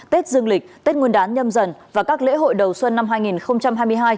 tết dương lịch tết nguyên đán nhâm dần và các lễ hội đầu xuân năm hai nghìn hai mươi hai